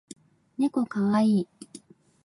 ねこかわいい